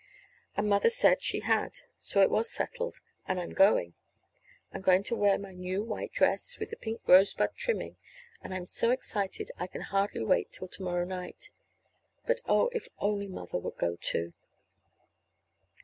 And Mother said she had, and so it was settled. And I'm going. I'm to wear my new white dress with the pink rosebud trimming, and I'm so excited I can hardly wait till to morrow night. But oh, if only Mother would go, too!